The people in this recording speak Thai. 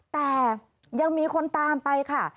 แต่ยังมีคนตามไปค่ะ